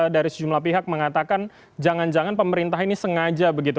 dari sejumlah pihak mengatakan jangan jangan pemerintah ini sengaja begitu